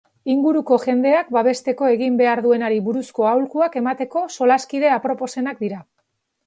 Inguruko jendeak babesteko egin behar duenari buruzko aholkuak emateko solaskide aproposenak dira.